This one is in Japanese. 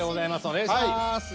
お願いします。